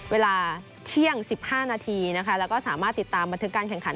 เวลาเที่ยง๑๕นาทีนะคะแล้วก็สามารถติดตามบันทึกการแข่งขัน